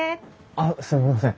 あっすみません。